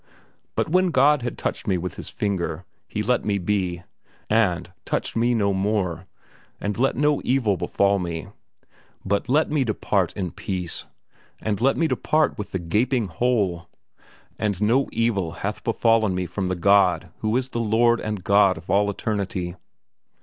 But when God had touched me with His finger, He let me be, and touched me no more, and let no evil befall me; but let me depart in peace, and let me depart with the gaping hole. And no evil hath befallen me from the God who is the Lord God of all Eternity.